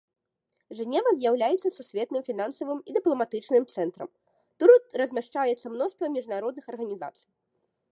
Жэнева з'яўляецца сусветным фінансавым і дыпламатычным цэнтрам, тут размяшчаецца мноства міжнародных арганізацый.